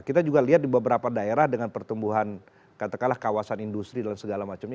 kita juga lihat di beberapa daerah dengan pertumbuhan katakanlah kawasan industri dan segala macamnya